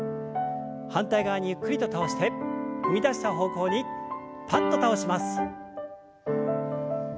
反対側にゆっくりと倒して踏み出した方向にパッと倒します。